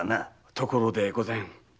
ところで御前。